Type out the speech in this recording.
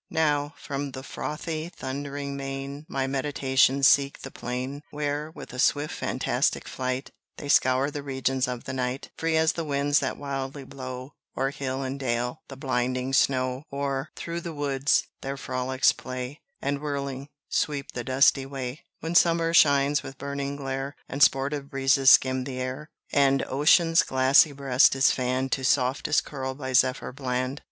Now, from the frothy, thundering main, My meditations seek the plain, Where, with a swift fantastic flight, They scour the regions of the night, Free as the winds that wildly blow O'er hill and dale the blinding snow, Or, through the woods, their frolics play, And whirling, sweep the dusty way, When summer shines with burning glare, And sportive breezes skim the air, And Ocean's glassy breast is fanned To softest curl by Zephyr bland.